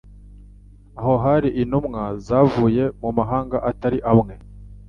Aho hari intumwa zavuye mu mahanga atari amwe,